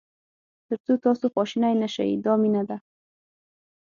تر څو تاسو خواشینی نه شئ دا مینه ده.